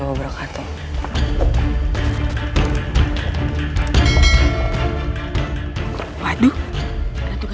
aku percaya padamu jaka